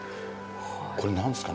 これ何ですかね？